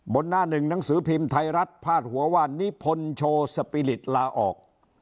หน้าหนึ่งหนังสือพิมพ์ไทยรัฐพาดหัวว่านิพนธ์โชว์สปีริตลาออก